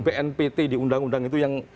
bnpt di undang undang itu yang